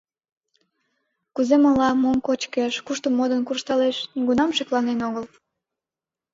Кузе мала, мом кочкеш, кушто модын куржталеш — нигунам шекланен огыл.